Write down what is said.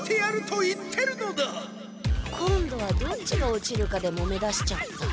今度はどっちが落ちるかでもめだしちゃった。